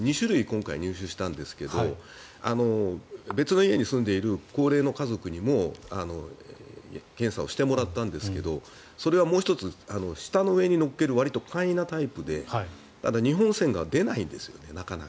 今回、２種類入手したんですけど別の家に住んでいる高齢の家族にも検査をしてもらったんですけどそれはもう１つ舌の上に乗っけるわりと簡易なタイプで２本線が出ないんですよね。